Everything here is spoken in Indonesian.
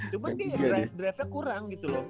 cuman dia drive drive nya kurang gitu loh